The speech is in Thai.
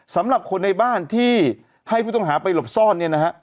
สำหรับคนในบ้านที่ให้ผู้ต้องหาไปหลบซ่อน